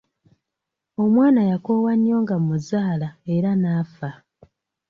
Omwana yakoowa nnyo nga mmuzaala era n'afa.